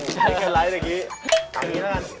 ไอ้แคลลาวแบบนี้นะคะ